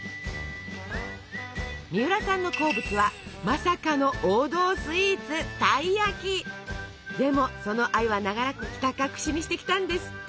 みうらさんの好物はまさかの王道スイーツでもその愛は長らくひた隠しにしてきたんですって。